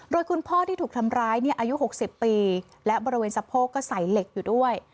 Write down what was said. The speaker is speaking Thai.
โดยคุณพ่อที่ถูกทำร้ายอายุ๖๐ปีและบริเวณสะโพกก็ใส่เหล็กอยู่ด้วย